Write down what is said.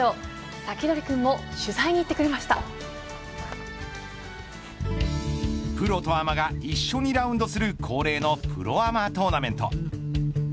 サキドリくんもプロとアマが一緒にラウンドする恒例のプロアマトーナメント。